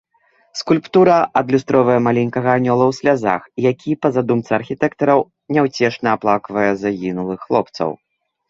Скульптура адлюстроўвае маленькага анёла ў слязах, які, па задумцы архітэктараў, няўцешна аплаквае загінулых хлопцаў.